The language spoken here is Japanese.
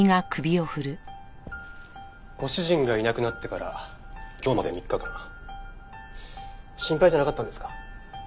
ご主人がいなくなってから今日まで３日間心配じゃなかったんですか？